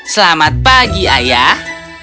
selamat pagi ayah